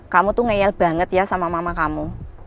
kamu tuh ngeyel banget ya sama mama kamu